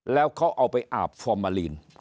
แล้วเขาเอาไปอาบฟอร์มาลีน